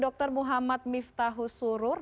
dr muhammad miftahus surur